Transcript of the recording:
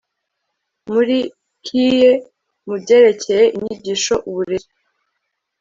muri KIE mu byerekeye inyigisho uburere